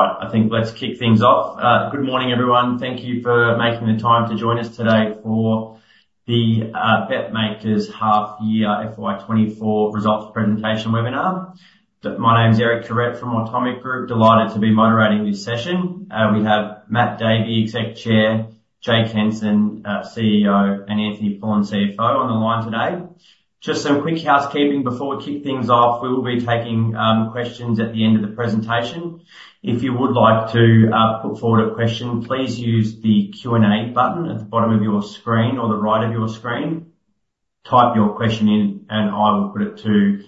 All right. I think let's kick things off. Good morning, everyone. Thank you for making the time to join us today for the BetMakers Half Year FY24 Results Presentation webinar. My name's Eric Kuret from Automic Group. Delighted to be moderating this session. We have Matt Davey, Exec Chair; Jake Henson, CEO; and Anthony Pullin, CFO, on the line today. Just some quick housekeeping before we kick things off. We will be taking questions at the end of the presentation. If you would like to put forward a question, please use the Q&A button at the bottom of your screen or the right of your screen. Type your question in, and I will put it to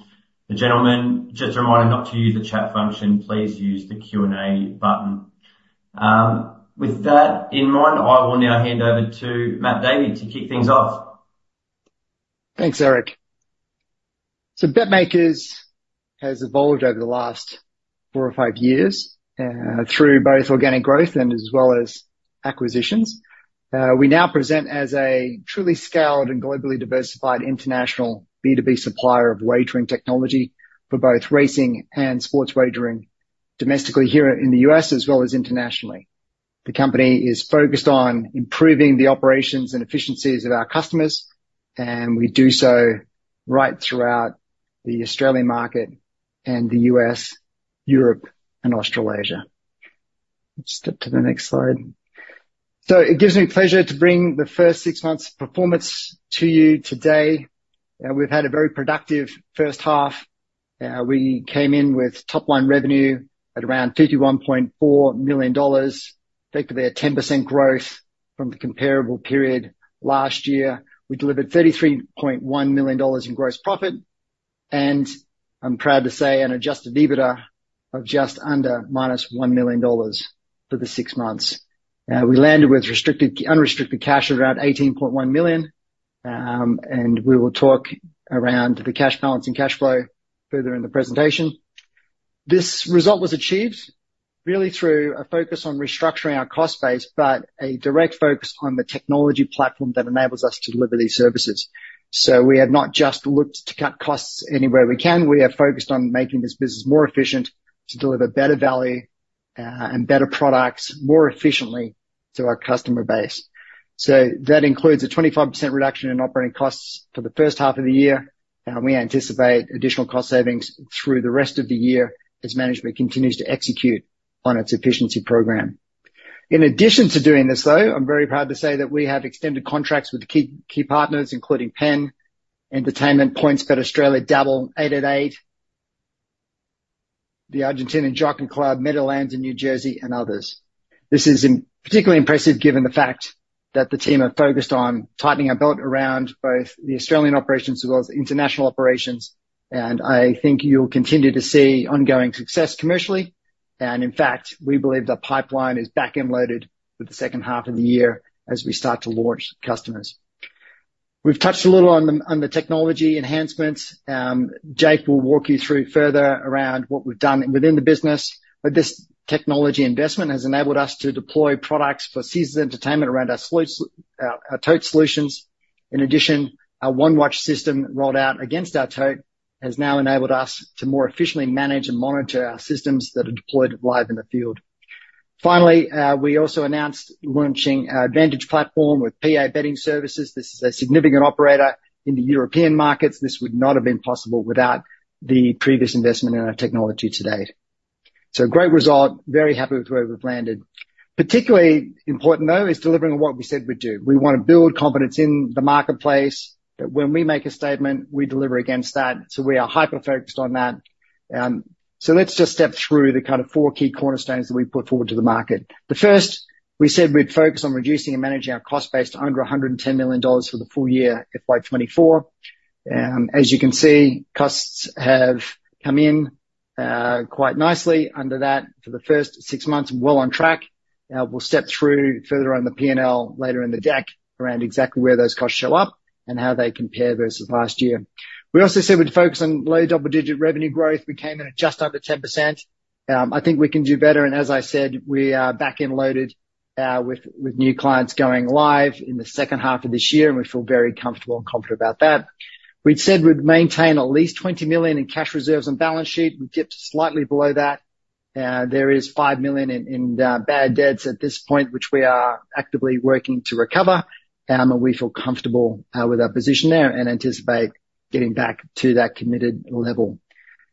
the gentlemen. Just a reminder not to use the chat function. Please use the Q&A button. With that in mind, I will now hand over to Matt Davey to kick things off. Thanks, Eric. So BetMakers has evolved over the last four or five years through both organic growth and as well as acquisitions. We now present as a truly scaled and globally diversified international B2B supplier of wagering technology for both racing and sports wagering domestically here in the U.S. as well as internationally. The company is focused on improving the operations and efficiencies of our customers, and we do so right throughout the Australian market and the U.S., Europe, and Australasia. Let's step to the next slide. So it gives me pleasure to bring the first six months' performance to you today. We've had a very productive first half. We came in with top-line revenue at around 51.4 million dollars, effectively a 10% growth from the comparable period last year. We delivered 33.1 million dollars in gross profit and, I'm proud to say, an Adjusted EBITDA of just under minus 1 million dollars for the 6 months. We landed with unrestricted cash at around 18.1 million, and we will talk around the cash balance and cash flow further in the presentation. This result was achieved really through a focus on restructuring our cost base but a direct focus on the technology platform that enables us to deliver these services. So we have not just looked to cut costs anywhere we can. We have focused on making this business more efficient to deliver better value and better products more efficiently to our customer base. So that includes a 25% reduction in operating costs for the first half of the year, and we anticipate additional cost savings through the rest of the year as management continues to execute on its efficiency program. In addition to doing this, though, I'm very proud to say that we have extended contracts with key partners, including Penn Entertainment, PointsBet Australia, Dabble, 888, the Argentinian Jockey Club, Meadowlands in New Jersey, and others. This is particularly impressive given the fact that the team are focused on tightening our belt around both the Australian operations as well as international operations. And I think you'll continue to see ongoing success commercially. And in fact, we believe the pipeline is back-loaded for the second half of the year as we start to launch customers. We've touched a little on the technology enhancements. Jake will walk you through further around what we've done within the business. But this technology investment has enabled us to deploy products for seasonal entertainment around our tote solutions. In addition, our OneWatch system rolled out against our tote has now enabled us to more efficiently manage and monitor our systems that are deployed live in the field. Finally, we also announced launching our Advantage Platform with PA Betting Services. This is a significant operator in the European markets. This would not have been possible without the previous investment in our technology to date. So great result. Very happy with where we've landed. Particularly important, though, is delivering on what we said we'd do. We want to build confidence in the marketplace that when we make a statement, we deliver against that. So we are hyper-focused on that. So let's just step through the kind of four key cornerstones that we put forward to the market. The first, we said we'd focus on reducing and managing our cost base to under 110 million dollars for the full year FY24. As you can see, costs have come in quite nicely under that for the first six months and well on track. We'll step through further on the P&L later in the deck around exactly where those costs show up and how they compare versus last year. We also said we'd focus on low double-digit revenue growth. We came in at just under 10%. I think we can do better. As I said, we are back-loaded with new clients going live in the second half of this year, and we feel very comfortable and confident about that. We'd said we'd maintain at least 20 million in cash reserves and balance sheet. We dipped slightly below that. There is 5 million in bad debts at this point, which we are actively working to recover. We feel comfortable with our position there and anticipate getting back to that committed level.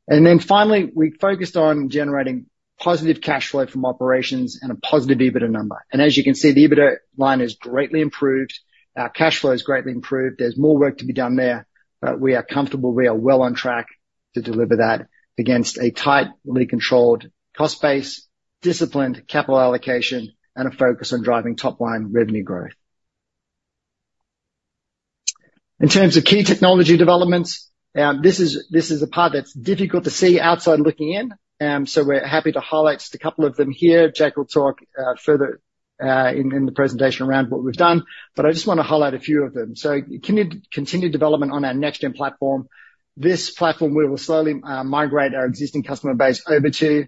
Then finally, we focused on generating positive cash flow from operations and a positive EBITDA number. As you can see, the EBITDA line has greatly improved. Our cash flow has greatly improved. There's more work to be done there, but we are comfortable. We are well on track to deliver that against a tightly controlled cost base, disciplined capital allocation, and a focus on driving top-line revenue growth. In terms of key technology developments, this is a part that's difficult to see outside looking in. We're happy to highlight just a couple of them here. Jake will talk further in the presentation around what we've done, but I just want to highlight a few of them. Continued development on our NextGen Platform. This platform, we will slowly migrate our existing customer base over to.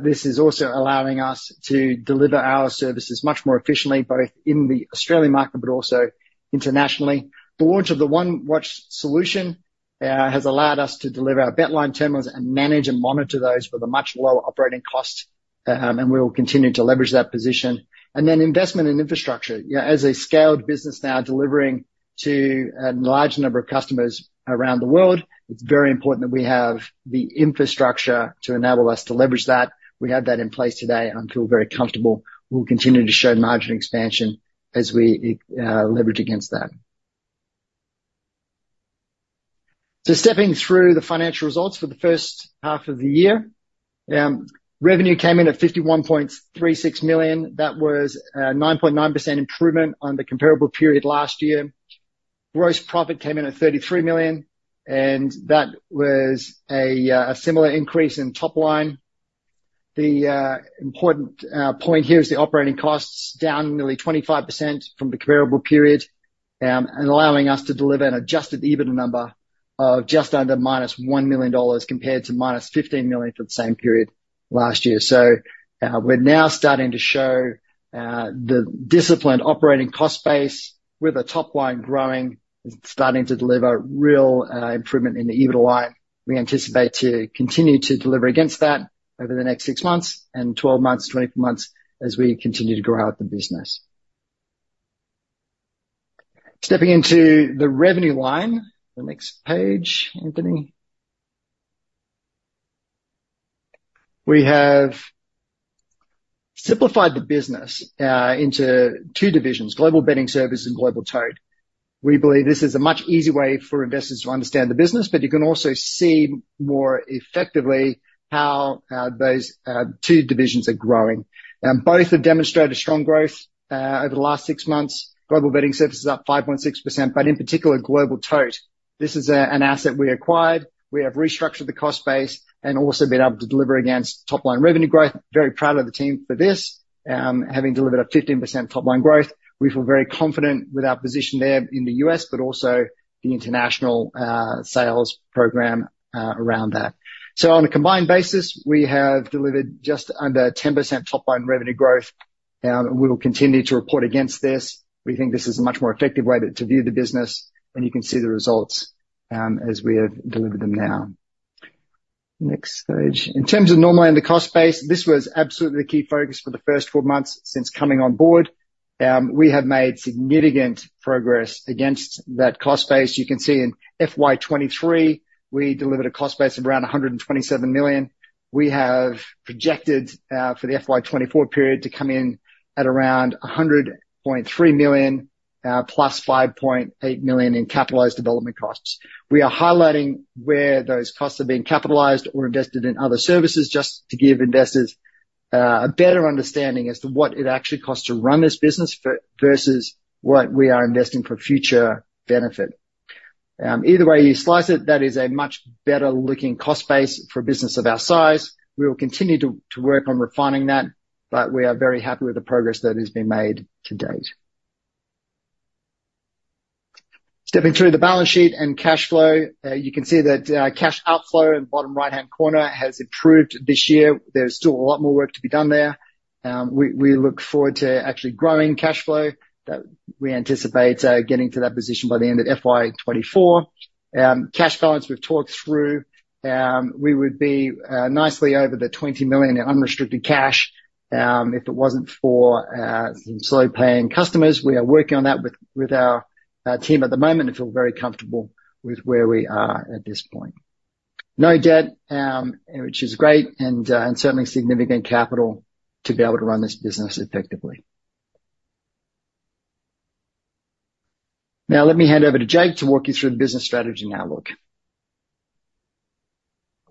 This is also allowing us to deliver our services much more efficiently, both in the Australian market but also internationally. The launch of the OneWatch solution has allowed us to deliver our BetLine terminals and manage and monitor those for the much lower operating cost. And we will continue to leverage that position. And then investment in infrastructure. As a scaled business now delivering to a large number of customers around the world, it's very important that we have the infrastructure to enable us to leverage that. We have that in place today. I feel very comfortable. We'll continue to show margin expansion as we leverage against that. So stepping through the financial results for the first half of the year, revenue came in at 51.36 million. That was a 9.9% improvement on the comparable period last year. Gross profit came in at 33 million, and that was a similar increase in top-line. The important point here is the operating costs down nearly 25% from the comparable period and allowing us to deliver an Adjusted EBITDA number of just under minus 1 million dollars compared to minus 15 million for the same period last year. So we're now starting to show the disciplined operating cost base with a top-line growing and starting to deliver real improvement in the EBITDA line. We anticipate to continue to deliver against that over the next 6 months and 12 months, 24 months, as we continue to grow out the business. Stepping into the revenue line, the next page, Anthony. We have simplified the business into two divisions: Global Betting Services and Global Tote. We believe this is a much easier way for investors to understand the business, but you can also see more effectively how those two divisions are growing. Both have demonstrated strong growth over the last six months. Global Betting Services is up 5.6%. In particular, Global Tote, this is an asset we acquired. We have restructured the cost base and also been able to deliver against top-line revenue growth. Very proud of the team for this, having delivered a 15% top-line growth. We feel very confident with our position there in the U.S. but also the international sales program around that. On a combined basis, we have delivered just under 10% top-line revenue growth. We will continue to report against this. We think this is a much more effective way to view the business, and you can see the results as we have delivered them now. Next page. In terms of normally in the cost base, this was absolutely the key focus for the first four months since coming on board. We have made significant progress against that cost base. You can see in FY23, we delivered a cost base of around 127 million. We have projected for the FY24 period to come in at around 100.3 million plus 5.8 million in capitalized development costs. We are highlighting where those costs are being capitalized or invested in other services just to give investors a better understanding as to what it actually costs to run this business versus what we are investing for future benefit. Either way you slice it, that is a much better-looking cost base for a business of our size. We will continue to work on refining that, but we are very happy with the progress that has been made to date. Stepping through the balance sheet and cash flow, you can see that cash outflow in the bottom right-hand corner has improved this year. There's still a lot more work to be done there. We look forward to actually growing cash flow. We anticipate getting to that position by the end of FY24. Cash balance, we've talked through. We would be nicely over 20 million in unrestricted cash if it wasn't for some slow-paying customers. We are working on that with our team at the moment and feel very comfortable with where we are at this point. No debt, which is great and certainly significant capital to be able to run this business effectively. Now, let me hand over to Jake to walk you through the business strategy and outlook.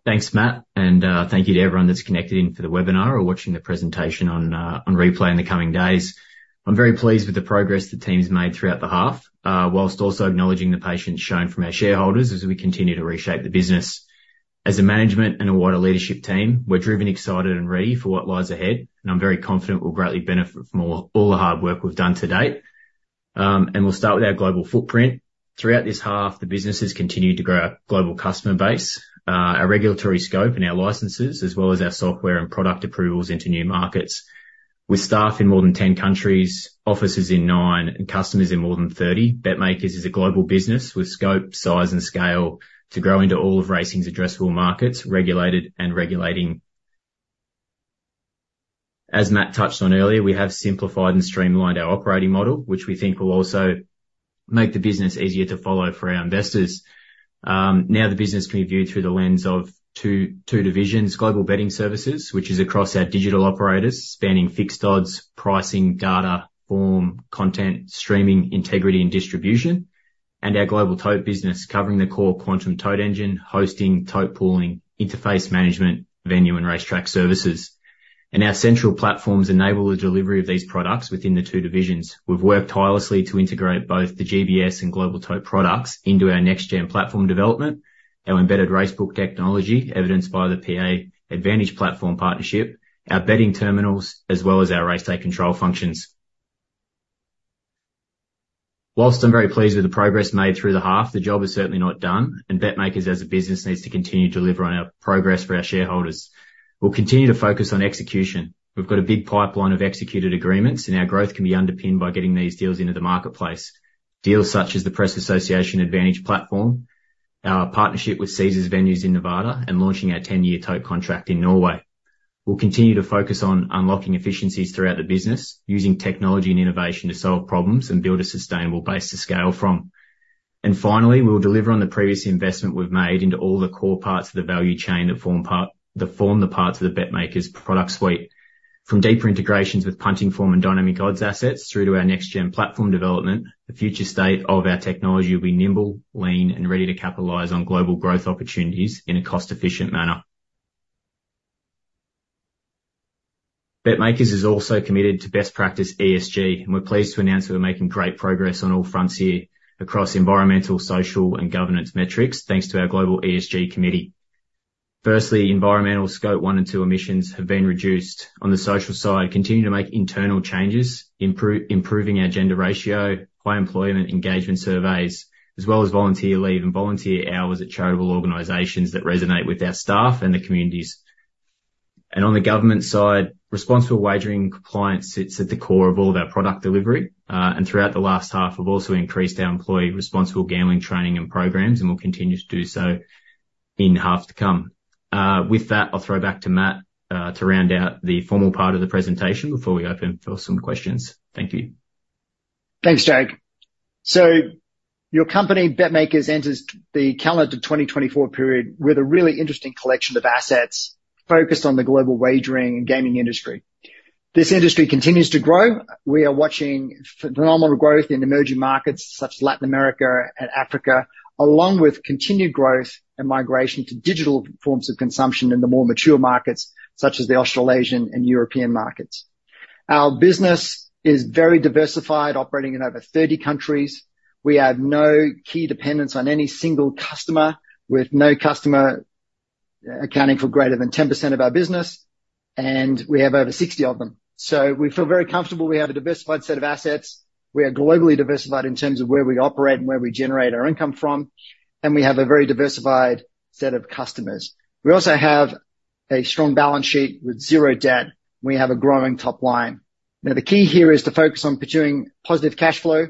Thanks, Matt. Thank you to everyone that's connected in for the webinar or watching the presentation on replay in the coming days. I'm very pleased with the progress the team's made throughout the half while also acknowledging the patience shown from our shareholders as we continue to reshape the business. As a management and a wider leadership team, we're driven, excited, and ready for what lies ahead. I'm very confident we'll greatly benefit from all the hard work we've done to date. We'll start with our global footprint. Throughout this half, the business has continued to grow our global customer base, our regulatory scope and our licenses, as well as our software and product approvals into new markets. With staff in more than 10 countries, offices in 9, and customers in more than 30, BetMakers is a global business with scope, size, and scale to grow into all of racing's addressable markets, regulated and regulating. As Matt touched on earlier, we have simplified and streamlined our operating model, which we think will also make the business easier to follow for our investors. Now, the business can be viewed through the lens of two divisions: Global Betting Services, which is across our digital operators spanning Fixed Odds, pricing, data, form, content, streaming, integrity, and distribution, and our Global Tote business covering the core Quantum Tote Engine, hosting, tote pooling, interface management, venue, and racetrack services. Our central platforms enable the delivery of these products within the two divisions. We've worked tirelessly to integrate both the GBS and Global Tote products into our NextGen Platform development, our embedded racebook technology evidenced by the PA Advantage Platform partnership, our betting terminals, as well as our race day control functions. While I'm very pleased with the progress made through the half, the job is certainly not done. BetMakers, as a business, needs to continue to deliver on our progress for our shareholders. We'll continue to focus on execution. We've got a big pipeline of executed agreements, and our growth can be underpinned by getting these deals into the marketplace. Deals such as the Press Association Advantage Platform, our partnership with Caesars venues in Nevada, and launching our 10-year tote contract in Norway. We'll continue to focus on unlocking efficiencies throughout the business, using technology and innovation to solve problems and build a sustainable base to scale from. And finally, we'll deliver on the previous investment we've made into all the core parts of the value chain that form the parts of the BetMakers product suite. From deeper integrations with Punting Form and Dynamic Odds assets through to our NextGen Platform development, the future state of our technology will be nimble, lean, and ready to capitalize on global growth opportunities in a cost-efficient manner. BetMakers is also committed to best practice ESG, and we're pleased to announce that we're making great progress on all fronts here across environmental, social, and governance metrics thanks to our global ESG committee. Firstly, environmental scope one and two emissions have been reduced. On the social side, continue to make internal changes, improving our gender ratio, high employment engagement surveys, as well as volunteer leave and volunteer hours at charitable organizations that resonate with our staff and the communities. On the government side, responsible wagering compliance sits at the core of all of our product delivery. Throughout the last half, we've also increased our employee responsible gambling training and programs, and we'll continue to do so in half to come. With that, I'll throw back to Matt to round out the formal part of the presentation before we open for some questions. Thank you. Thanks, Jake. So your company, BetMakers, enters the calendar 2024 period with a really interesting collection of assets focused on the global wagering and gaming industry. This industry continues to grow. We are watching phenomenal growth in emerging markets such as Latin America and Africa, along with continued growth and migration to digital forms of consumption in the more mature markets such as the Australasian and European markets. Our business is very diversified, operating in over 30 countries. We have no key dependence on any single customer, with no customer accounting for greater than 10% of our business, and we have over 60 of them. So we feel very comfortable. We have a diversified set of assets. We are globally diversified in terms of where we operate and where we generate our income from, and we have a very diversified set of customers. We also have a strong balance sheet with zero debt. We have a growing top line. Now, the key here is to focus on pursuing positive cash flow.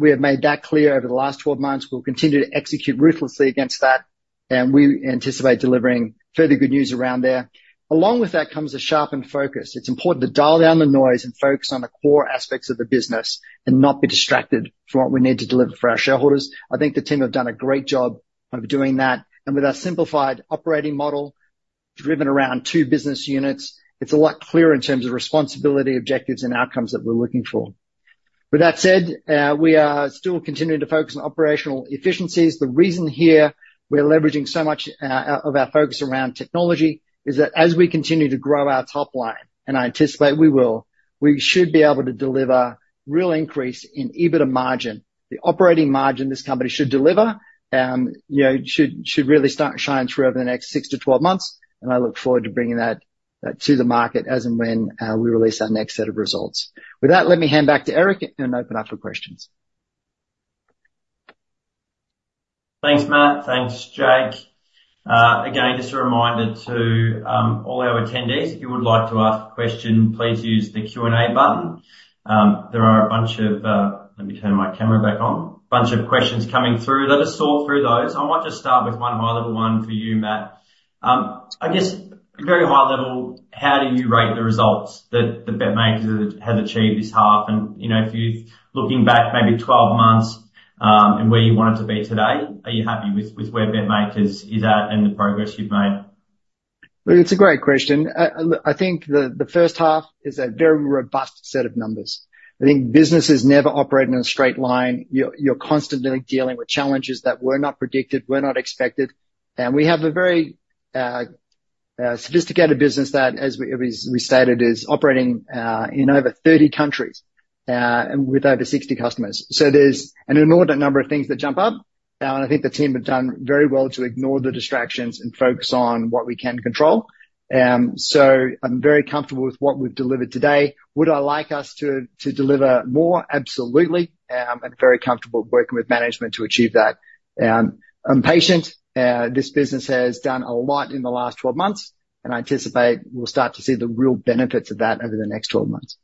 We have made that clear over the last 12 months. We'll continue to execute ruthlessly against that, and we anticipate delivering further good news around there. Along with that comes a sharpened focus. It's important to dial down the noise and focus on the core aspects of the business and not be distracted from what we need to deliver for our shareholders. I think the team have done a great job of doing that. And with our simplified operating model driven around two business units, it's a lot clearer in terms of responsibility, objectives, and outcomes that we're looking for. With that said, we are still continuing to focus on operational efficiencies. The reason here we're leveraging so much of our focus around technology is that as we continue to grow our top line, and I anticipate we will, we should be able to deliver real increase in EBITDA margin. The operating margin this company should deliver should really start shining through over the next 6-12 months. I look forward to bringing that to the market as and when we release our next set of results. With that, let me hand back to Eric and open up for questions. Thanks, Matt. Thanks, Jake. Again, just a reminder to all our attendees, if you would like to ask a question, please use the Q&A button. There are a bunch of - let me turn my camera back on - a bunch of questions coming through. Let us sort through those. I might just start with one high-level one for you, Matt. I guess, very high-level, how do you rate the results that BetMakers has achieved this half? And if you're looking back maybe 12 months and where you want it to be today, are you happy with where BetMakers is at and the progress you've made? It's a great question. I think the first half is a very robust set of numbers. I think businesses never operate in a straight line. You're constantly dealing with challenges that were not predicted, were not expected. And we have a very sophisticated business that, as we stated, is operating in over 30 countries with over 60 customers. So there's an inordinate number of things that jump up. And I think the team have done very well to ignore the distractions and focus on what we can control. So I'm very comfortable with what we've delivered today. Would I like us to deliver more? Absolutely. I'm very comfortable working with management to achieve that. I'm patient. This business has done a lot in the last 12 months, and I anticipate we'll start to see the real benefits of that over the next 12 months.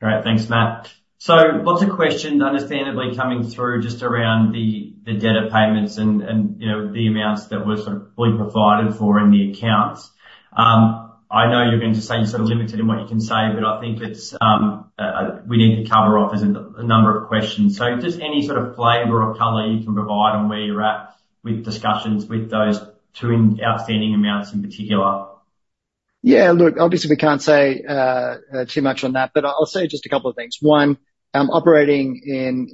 Great. Thanks, Matt. So lots of questions, understandably, coming through just around the debt of payments and the amounts that were sort of fully provided for in the accounts. I know you're going to say you're sort of limited in what you can say, but I think we need to cover off a number of questions. So just any sort of flavor or color you can provide on where you're at with discussions with those two outstanding amounts in particular. Yeah. Look, obviously, we can't say too much on that, but I'll say just a couple of things. One, operating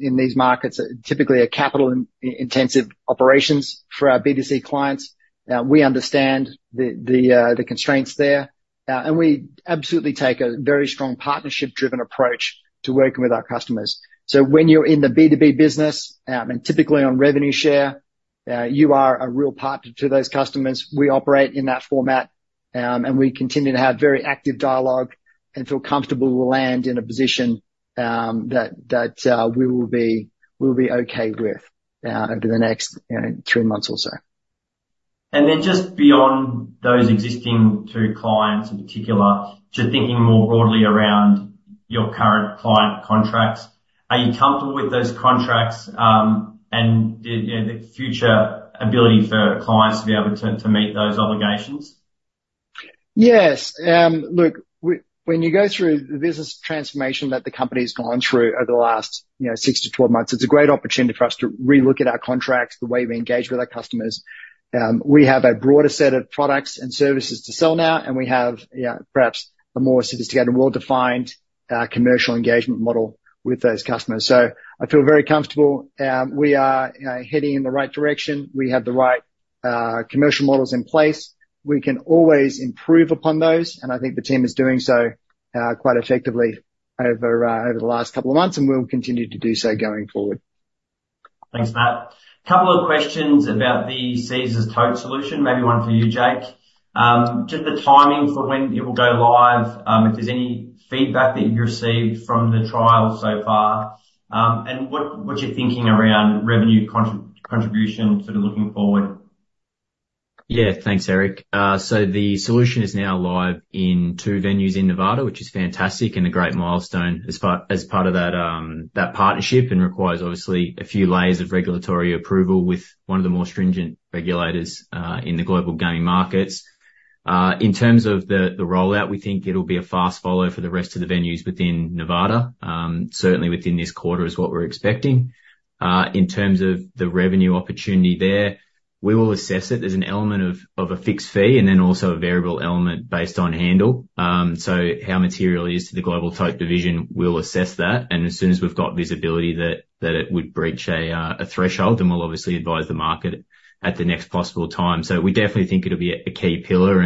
in these markets are typically capital-intensive operations for our B2C clients. We understand the constraints there, and we absolutely take a very strong partnership-driven approach to working with our customers. So when you're in the B2B business and typically on revenue share, you are a real partner to those customers. We operate in that format, and we continue to have very active dialogue and feel comfortable we'll land in a position that we will be okay with over the next 3 months or so. And then just beyond those existing two clients in particular, just thinking more broadly around your current client contracts, are you comfortable with those contracts and the future ability for clients to be able to meet those obligations? Yes. Look, when you go through the business transformation that the company's gone through over the last 6-12 months, it's a great opportunity for us to relook at our contracts, the way we engage with our customers. We have a broader set of products and services to sell now, and we have perhaps a more sophisticated and well-defined commercial engagement model with those customers. So I feel very comfortable. We are heading in the right direction. We have the right commercial models in place. We can always improve upon those, and I think the team is doing so quite effectively over the last couple of months, and we'll continue to do so going forward. Thanks, Matt. Couple of questions about the Caesars tote solution. Maybe one for you, Jake. Just the timing for when it will go live, if there's any feedback that you've received from the trial so far, and what you're thinking around revenue contribution sort of looking forward. Yeah. Thanks, Eric. So the solution is now live in 2 venues in Nevada, which is fantastic and a great milestone as part of that partnership and requires, obviously, a few layers of regulatory approval with one of the more stringent regulators in the global gaming markets. In terms of the rollout, we think it'll be a fast follow for the rest of the venues within Nevada, certainly within this quarter is what we're expecting. In terms of the revenue opportunity there, we will assess it. There's an element of a fixed fee and then also a variable element based on handle. So how material it is to the global tote division will assess that. And as soon as we've got visibility that it would breach a threshold, then we'll obviously advise the market at the next possible time. So we definitely think it'll be a key pillar.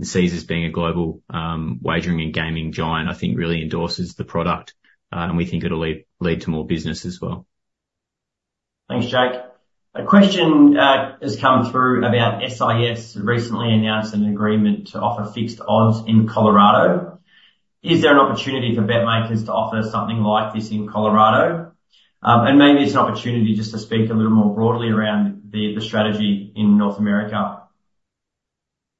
Caesars being a global wagering and gaming giant, I think, really endorses the product, and we think it'll lead to more business as well. Thanks, Jake. A question has come through about SIS recently announced an agreement to offer fixed odds in Colorado. Is there an opportunity for BetMakers to offer something like this in Colorado? And maybe it's an opportunity just to speak a little more broadly around the strategy in North America.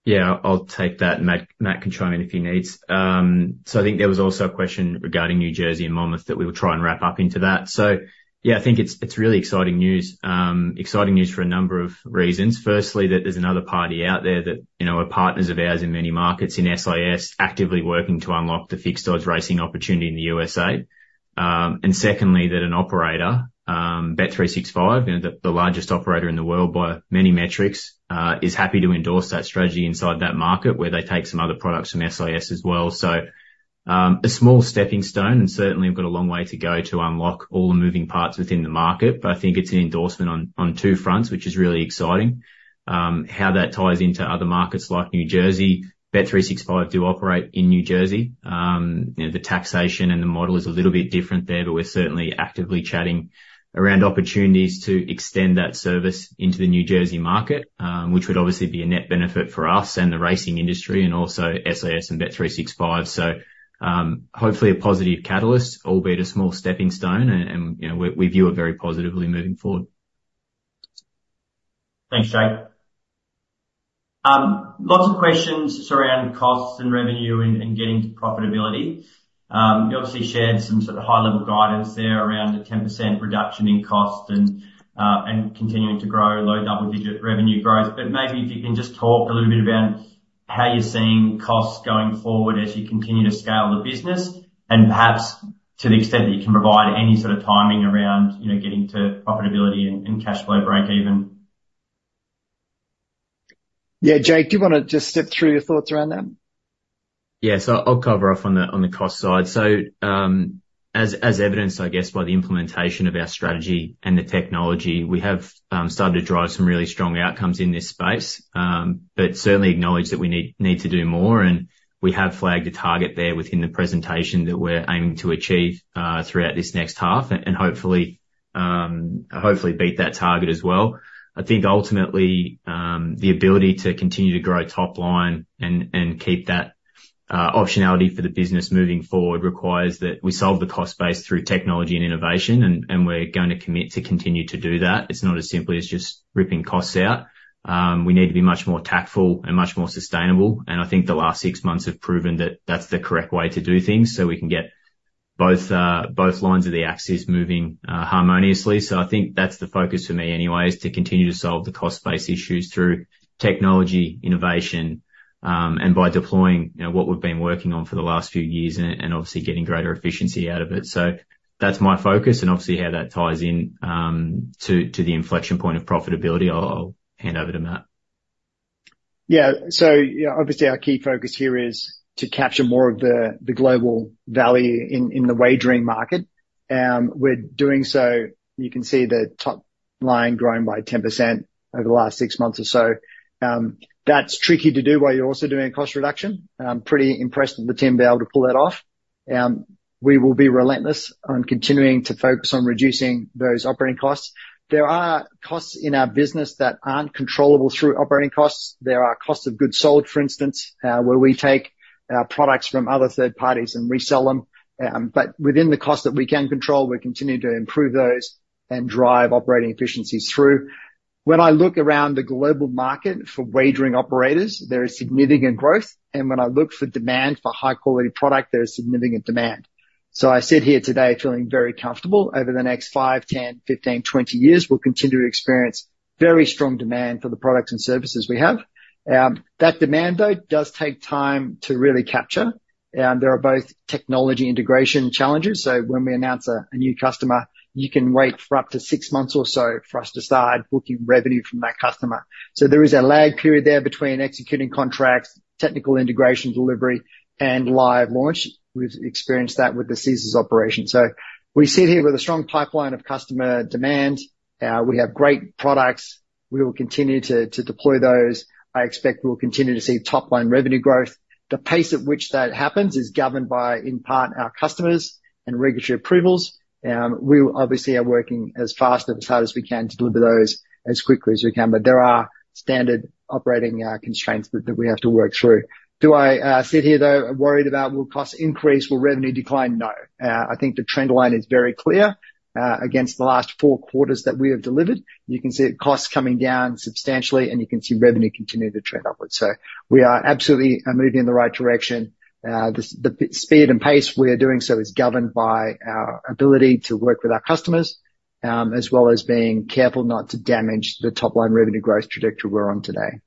Yeah. I'll take that, and Matt can chime in if he needs. So I think there was also a question regarding New Jersey and Monmouth that we will try and wrap up into that. So yeah, I think it's really exciting news. Exciting news for a number of reasons. Firstly, that there's another party out there that are partners of ours in many markets in SIS actively working to unlock the fixed odds racing opportunity in the USA. And secondly, that an operator, bet365, the largest operator in the world by many metrics, is happy to endorse that strategy inside that market where they take some other products from SIS as well. So a small stepping stone, and certainly, we've got a long way to go to unlock all the moving parts within the market. But I think it's an endorsement on two fronts, which is really exciting. How that ties into other markets like New Jersey. bet365 do operate in New Jersey. The taxation and the model is a little bit different there, but we're certainly actively chatting around opportunities to extend that service into the New Jersey market, which would obviously be a net benefit for us and the racing industry and also SIS and bet365. So hopefully, a positive catalyst, albeit a small stepping stone, and we view it very positively moving forward. Thanks, Jake. Lots of questions just around costs and revenue and getting to profitability. You obviously shared some sort of high-level guidance there around a 10% reduction in cost and continuing to grow, low double-digit revenue growth. But maybe if you can just talk a little bit about how you're seeing costs going forward as you continue to scale the business and perhaps to the extent that you can provide any sort of timing around getting to profitability and cash flow break-even. Yeah. Jake, do you want to just step through your thoughts around that? Yeah. So I'll cover off on the cost side. So as evidenced, I guess, by the implementation of our strategy and the technology, we have started to drive some really strong outcomes in this space but certainly acknowledge that we need to do more. And we have flagged a target there within the presentation that we're aiming to achieve throughout this next half and hopefully beat that target as well. I think ultimately, the ability to continue to grow top line and keep that optionality for the business moving forward requires that we solve the cost base through technology and innovation, and we're going to commit to continue to do that. It's not as simple as just ripping costs out. We need to be much more tactful and much more sustainable. I think the last six months have proven that that's the correct way to do things so we can get both lines of the axis moving harmoniously. So I think that's the focus for me anyways, to continue to solve the cost-based issues through technology, innovation, and by deploying what we've been working on for the last few years and obviously getting greater efficiency out of it. So that's my focus and obviously how that ties in to the inflection point of profitability. I'll hand over to Matt. Yeah. So obviously, our key focus here is to capture more of the global value in the wagering market. With doing so, you can see the top line growing by 10% over the last six months or so. That's tricky to do while you're also doing a cost reduction. Pretty impressed with the team being able to pull that off. We will be relentless on continuing to focus on reducing those operating costs. There are costs in our business that aren't controllable through operating costs. There are costs of goods sold, for instance, where we take products from other third parties and resell them. But within the cost that we can control, we continue to improve those and drive operating efficiencies through. When I look around the global market for wagering operators, there is significant growth. And when I look for demand for high-quality product, there is significant demand. So I sit here today feeling very comfortable. Over the next 5, 10, 15, 20 years, we'll continue to experience very strong demand for the products and services we have. That demand, though, does take time to really capture. There are both technology integration challenges. So when we announce a new customer, you can wait for up to six months or so for us to start booking revenue from that customer. So there is a lag period there between executing contracts, technical integration delivery, and live launch. We've experienced that with the Caesars operation. So we sit here with a strong pipeline of customer demand. We have great products. We will continue to deploy those. I expect we'll continue to see top-line revenue growth. The pace at which that happens is governed by, in part, our customers and regulatory approvals. We obviously are working as fast and as hard as we can to deliver those as quickly as we can. But there are standard operating constraints that we have to work through. Do I sit here, though, worried about, "Will costs increase? Will revenue decline?" No. I think the trend line is very clear. Against the last four quarters that we have delivered, you can see costs coming down substantially, and you can see revenue continue to trend upwards. So we are absolutely moving in the right direction. The speed and pace we are doing so is governed by our ability to work with our customers as well as being careful not to damage the top-line revenue growth trajectory we're on today.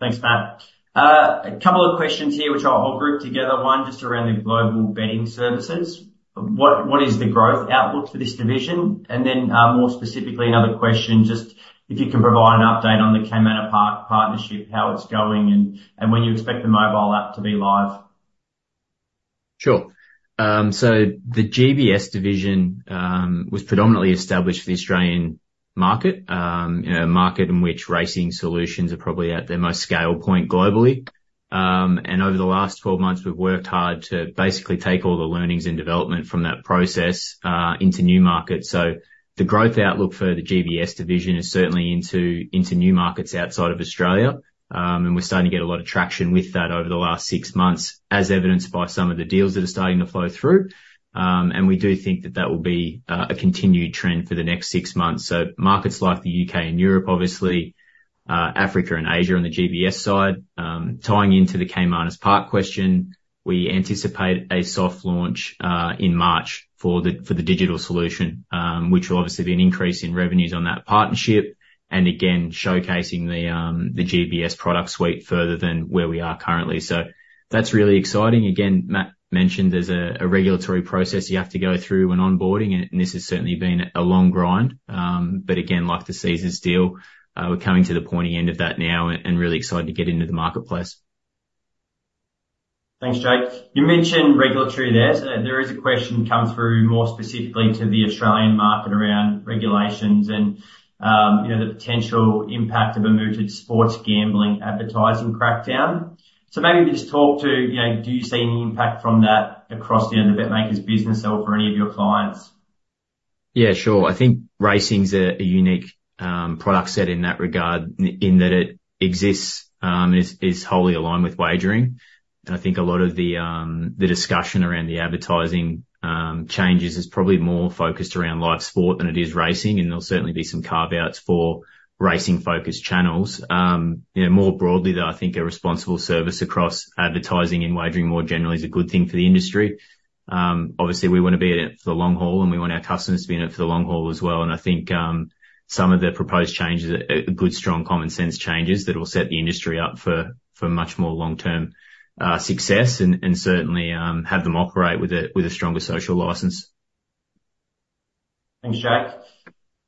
Thanks, Matt. A couple of questions here, which I'll group together. One, just around the Global Betting Services. What is the growth outlook for this division? And then more specifically, another question, just if you can provide an update on the Caymanas Park partnership, how it's going, and when you expect the mobile app to be live. Sure. So the GBS division was predominantly established for the Australian market, a market in which racing solutions are probably at their most scale point globally. And over the last 12 months, we've worked hard to basically take all the learnings and development from that process into new markets. So the growth outlook for the GBS division is certainly into new markets outside of Australia, and we're starting to get a lot of traction with that over the last six months, as evidenced by some of the deals that are starting to flow through. And we do think that that will be a continued trend for the next six months. So markets like the UK and Europe, obviously, Africa and Asia on the GBS side. Tying into the Caymanas Park question, we anticipate a soft launch in March for the digital solution, which will obviously be an increase in revenues on that partnership and, again, showcasing the GBS product suite further than where we are currently. So that's really exciting. Again, Matt mentioned there's a regulatory process you have to go through and onboarding, and this has certainly been a long grind. But again, like the Caesars deal, we're coming to the pointy end of that now and really excited to get into the marketplace. Thanks, Jake. You mentioned regulatory there. So there is a question come through more specifically to the Australian market around regulations and the potential impact of a mooted sports gambling advertising crackdown. So maybe if you just talk to, do you see any impact from that across the BetMakers business or for any of your clients? Yeah. Sure. I think racing's a unique product set in that regard in that it exists and is wholly aligned with wagering. I think a lot of the discussion around the advertising changes is probably more focused around live sport than it is racing. There'll certainly be some carve-outs for racing-focused channels. More broadly, though, I think a responsible service across advertising and wagering more generally is a good thing for the industry. Obviously, we want to be in it for the long haul, and we want our customers to be in it for the long haul as well. I think some of the proposed changes are good, strong, common-sense changes that will set the industry up for much more long-term success and certainly have them operate with a stronger social license. Thanks, Jake.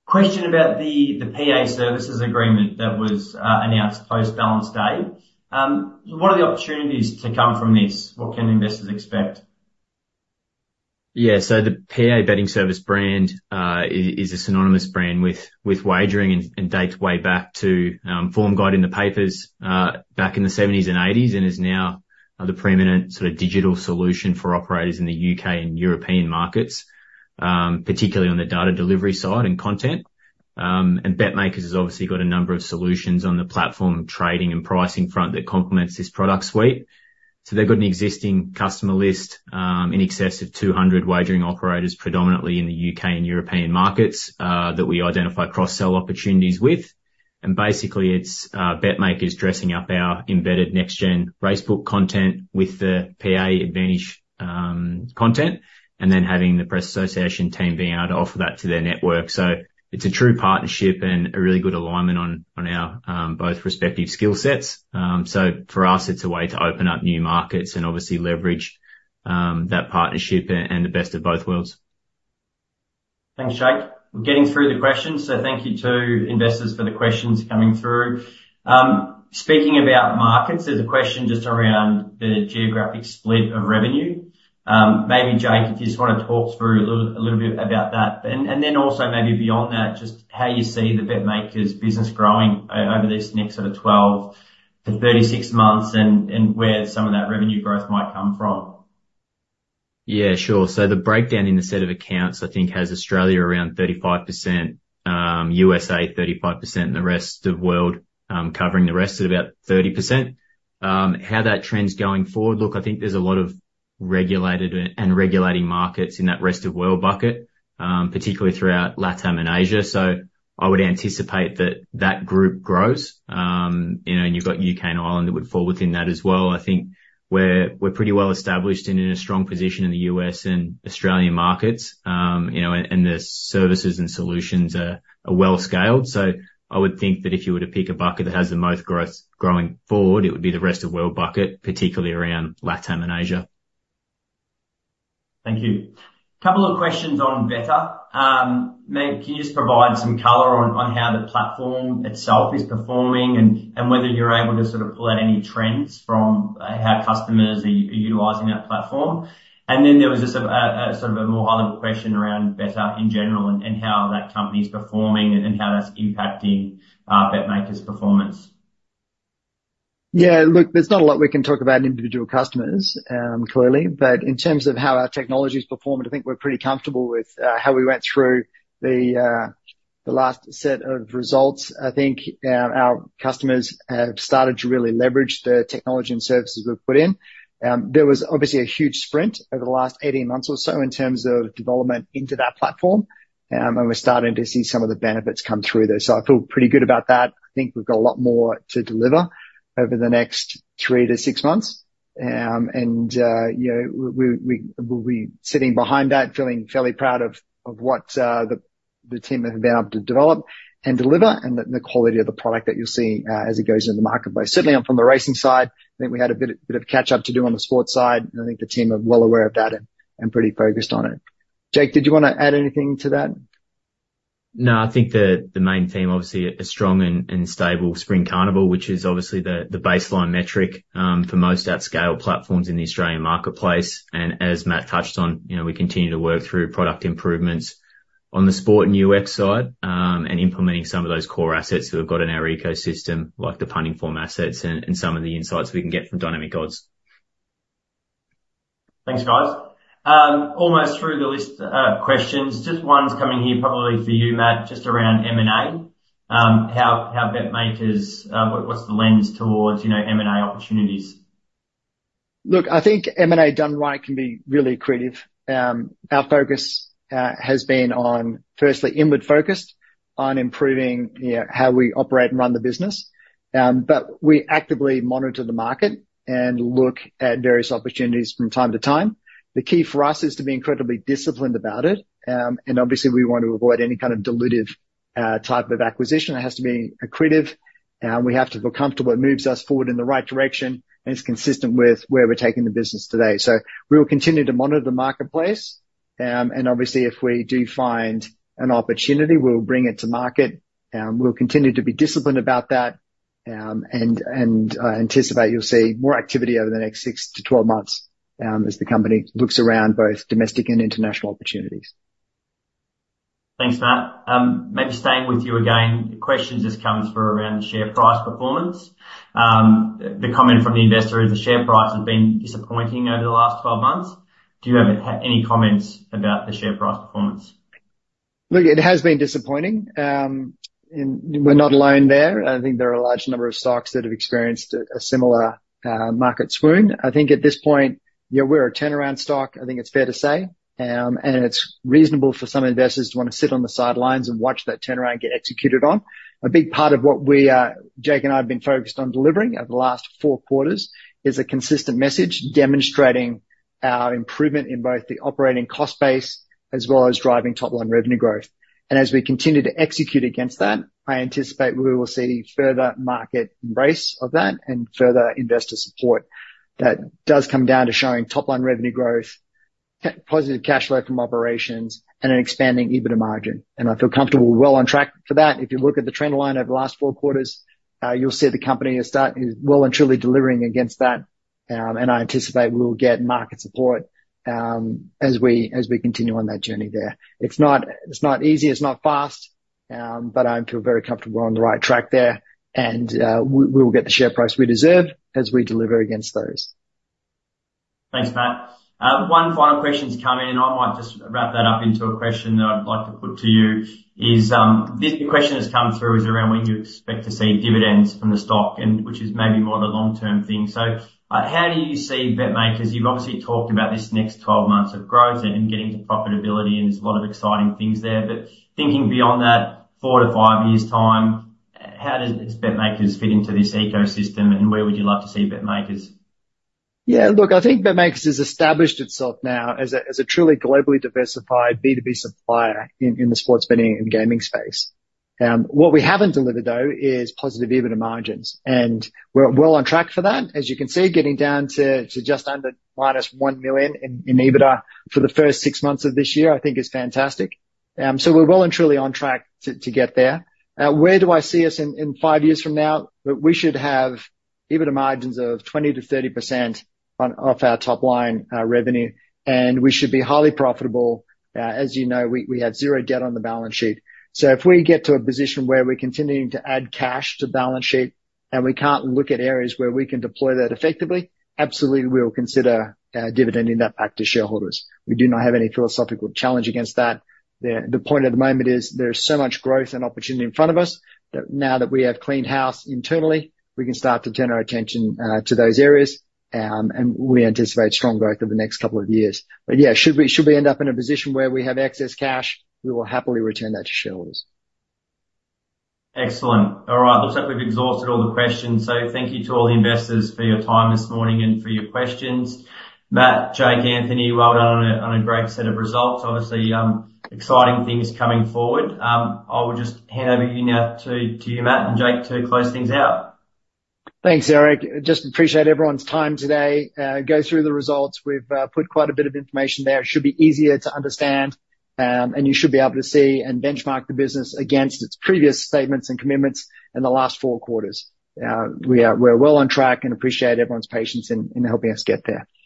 Question about the PA services agreement that was announced post-Balance Day. What are the opportunities to come from this? What can investors expect? Yeah. So the PA Betting Services brand is a synonymous brand with wagering and dates way back to form guide in the papers back in the 1970s and 1980s and is now the preeminent sort of digital solution for operators in the UK and European markets, particularly on the data delivery side and content. And BetMakers has obviously got a number of solutions on the platform trading and pricing front that complements this product suite. So they've got an existing customer list in excess of 200 wagering operators, predominantly in the UK and European markets, that we identify cross-sell opportunities with. And basically, it's BetMakers dressing up our embedded next-gen racebook content with the PA Advantage content and then having the Press Association team being able to offer that to their network. So it's a true partnership and a really good alignment on our both respective skill sets. So for us, it's a way to open up new markets and obviously leverage that partnership and the best of both worlds. Thanks, Jake. Getting through the questions. So thank you to investors for the questions coming through. Speaking about markets, there's a question just around the geographic split of revenue. Maybe, Jake, if you just want to talk through a little bit about that. And then also maybe beyond that, just how you see the BetMakers business growing over these next sort of 12-36 months and where some of that revenue growth might come from. Yeah. Sure. So the breakdown in the set of accounts, I think, has Australia around 35%, U.S. 35%, and the rest of the world covering the rest at about 30%. How that trends going forward? Look, I think there's a lot of regulated and regulating markets in that rest of world bucket, particularly throughout Latin and Asia. So I would anticipate that that group grows. And you've got U.K. and Ireland that would fall within that as well. I think we're pretty well established and in a strong position in the U.S. and Australian markets, and the services and solutions are well-scaled. So I would think that if you were to pick a bucket that has the most growth going forward, it would be the rest of world bucket, particularly around Latin and Asia. Thank you. Couple of questions on Betr. Maybe can you just provide some color on how the platform itself is performing and whether you're able to sort of pull out any trends from how customers are utilizing that platform? And then there was just sort of a more high-level question around Betr in general and how that company's performing and how that's impacting BetMakers' performance. Yeah. Look, there's not a lot we can talk about in individual customers, clearly. But in terms of how our technology's performed, I think we're pretty comfortable with how we went through the last set of results. I think our customers have started to really leverage the technology and services we've put in. There was obviously a huge sprint over the last 18 months or so in terms of development into that platform, and we're starting to see some of the benefits come through there. So I feel pretty good about that. I think we've got a lot more to deliver over the next 3-6 months. And we'll be sitting behind that, feeling fairly proud of what the team have been able to develop and deliver and the quality of the product that you'll see as it goes into the marketplace. Certainly, from the racing side, I think we had a bit of catch-up to do on the sports side, and I think the team are well aware of that and pretty focused on it. Jake, did you want to add anything to that? No. I think the main theme, obviously, a strong and stable spring carnival, which is obviously the baseline metric for most at-scale platforms in the Australian marketplace. And as Matt touched on, we continue to work through product improvements on the sport and UX side and implementing some of those core assets that we've got in our ecosystem, like the Punting Form assets and some of the insights we can get from Dynamic Odds. Thanks, guys. Almost through the list of questions. Just one's coming here probably for you, Matt, just around M&A. How BetMakers – what's the lens towards M&A opportunities? Look, I think M&A done right can be really creative. Our focus has been on, firstly, inward-focused on improving how we operate and run the business. But we actively monitor the market and look at various opportunities from time to time. The key for us is to be incredibly disciplined about it. And obviously, we want to avoid any kind of dilutive type of acquisition. It has to be accretive. We have to feel comfortable. It moves us forward in the right direction, and it's consistent with where we're taking the business today. So we will continue to monitor the marketplace. And obviously, if we do find an opportunity, we'll bring it to market. We'll continue to be disciplined about that and anticipate you'll see more activity over the next 6-12 months as the company looks around both domestic and international opportunities. Thanks, Matt. Maybe staying with you again. A question just comes through around the share price performance. The comment from the investor is the share price has been disappointing over the last 12 months. Do you have any comments about the share price performance? Look, it has been disappointing. We're not alone there. I think there are a large number of stocks that have experienced a similar market swoon. I think at this point, we're a turnaround stock. I think it's fair to say. And it's reasonable for some investors to want to sit on the sidelines and watch that turnaround get executed on. A big part of what Jake and I have been focused on delivering over the last four quarters is a consistent message demonstrating our improvement in both the operating cost base as well as driving top-line revenue growth. And as we continue to execute against that, I anticipate we will see further market embrace of that and further investor support. That does come down to showing top-line revenue growth, positive cash flow from operations, and an expanding EBITDA margin. And I feel comfortable well on track for that. If you look at the trend line over the last four quarters, you'll see the company is well and truly delivering against that. I anticipate we'll get market support as we continue on that journey there. It's not easy. It's not fast. But I feel very comfortable we're on the right track there. We will get the share price we deserve as we deliver against those. Thanks, Matt. One final question's coming, and I might just wrap that up into a question that I'd like to put to you is the question that's come through is around when you expect to see dividends from the stock, which is maybe more of a long-term thing. So how do you see BetMakers? You've obviously talked about this next 12 months of growth and getting to profitability, and there's a lot of exciting things there. But thinking beyond that, four to five years' time, how does BetMakers fit into this ecosystem, and where would you like to see BetMakers? Yeah. Look, I think BetMakers has established itself now as a truly globally diversified B2B supplier in the sports betting and gaming space. What we haven't delivered, though, is positive EBITDA margins. We're well on track for that. As you can see, getting down to just under -1 million in EBITDA for the first 6 months of this year, I think, is fantastic. We're well and truly on track to get there. Where do I see us in 5 years from now? We should have EBITDA margins of 20%-30% off our top-line revenue, and we should be highly profitable. As you know, we have 0 debt on the balance sheet. So if we get to a position where we're continuing to add cash to balance sheet and we can't look at areas where we can deploy that effectively, absolutely, we will consider dividend in that pack to shareholders. We do not have any philosophical challenge against that. The point at the moment is there's so much growth and opportunity in front of us that now that we have cleaned house internally, we can start to turn our attention to those areas, and we anticipate strong growth over the next couple of years. But yeah, should we end up in a position where we have excess cash, we will happily return that to shareholders. Excellent. All right. Looks like we've exhausted all the questions. Thank you to all the investors for your time this morning and for your questions. Matt, Jake, Anthony, well done on a great set of results. Obviously, exciting things coming forward. I will just hand over you now to you, Matt, and Jake to close things out. Thanks, Eric. Just appreciate everyone's time today. Go through the results. We've put quite a bit of information there. It should be easier to understand, and you should be able to see and benchmark the business against its previous statements and commitments in the last four quarters. We're well on track and appreciate everyone's patience in helping us get there.